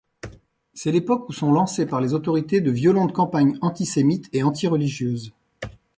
C'est l'époque où sont lancées par les autorités de violentes campagnes antisémites et antireligieuses.